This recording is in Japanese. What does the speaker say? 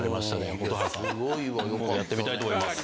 今度やってみたいと思います。